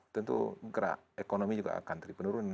tentu gerak ekonomi juga akan terpenurun